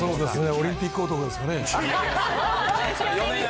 オリンピック男ですね。